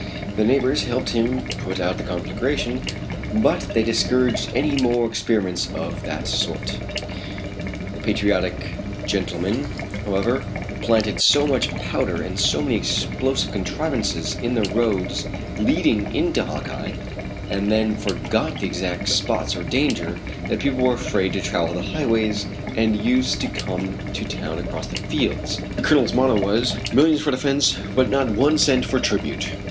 The neighbors helped him put out the conflagration, but they discouraged any more experiments of that sort. The patriotic old gentleman, however, planted so much powder and so many explosive contrivances in the roads leading into Hawkeye, and then forgot the exact spots of danger, that people were afraid to travel the highways, and used to come to town across the fields. The Colonel's motto was, "Millions for defence but not one cent for tribute."